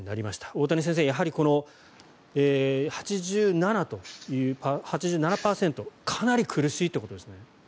大谷先生、やはりこの８７％かなり苦しいってことですね。